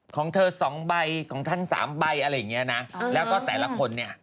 ของเธอสองใบของท่านสามใบอะไรอย่างเงี้ยนะแล้วก็แต่ละคนเนี่ย